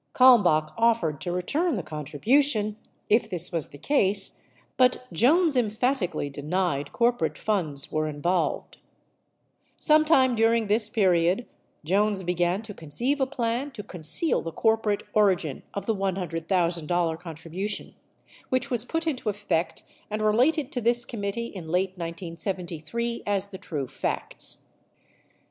Kalmbach offered to return the contribu tion, if this was the case, but Jones emphatically denied corporate funds were involved. Sometime during this period, Jones began to conceive a plan to con ceal the corporate origin of the $100,000 contribution, which was put into effect and related to this committee in late, 1973 as the true facts.